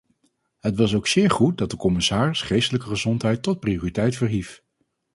Het was ook zeer goed dat de commissaris geestelijke gezondheid tot prioriteit verhief.